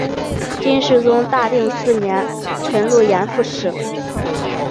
金世宗大定四年辰渌盐副使。